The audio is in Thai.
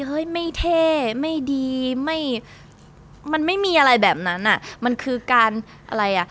เฮ้ยไม่เท่ไม่ดีไม่มันไม่มีอะไรแบบนั้นอ่ะมันคือการอะไรอ่ะ